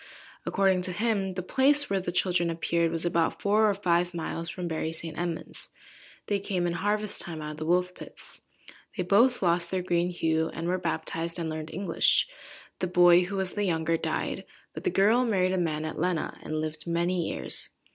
According to him, the place where the children appeared, was about four or five miles from Bury–St.–Edmund's. They came in harvest–time out of the Wolf–pits. They both lost their green hue, and were baptized, and learned English. The boy, who was the younger, died, but the girl married a man at Lenna, and lived many years.